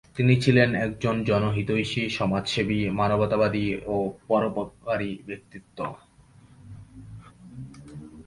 তিনি ছিলেন এক মহান জনহিতৈষী, সমাজসেবী, মানবতাবাদী ও পরোপকারী ব্যক্তিত্ব।